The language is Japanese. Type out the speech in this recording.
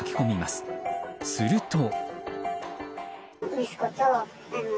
すると。